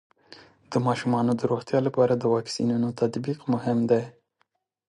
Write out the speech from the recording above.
د ماشومانو د روغتیا لپاره د واکسینونو تطبیق مهم دی.